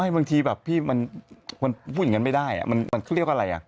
บางทีแบบพี่มันพูดยังงั้นไม่ได้